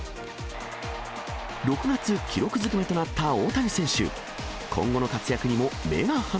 ６月、記録ずくめとなった大谷選手。